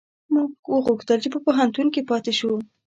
موږ هم غوښتل چي په پوهنتون کي پاته شو